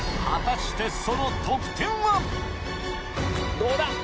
果たしてその得点はどうだ？